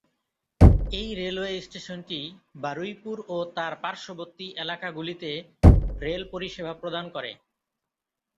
এই রেলওয়ে স্টেশনটি বারুইপুর ও তার পার্শ্ববর্তী এলাকাগুলিতে রেল পরিষেবা প্রদান করে।